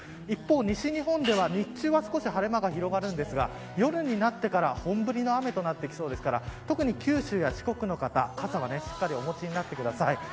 一方、西日本では日中は少し晴れ間が広がりますが夜になってから本降りの雨となってきそうなので特に九州や四国の方傘はしっかりお持ちになってください。